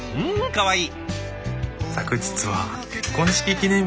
かわいい！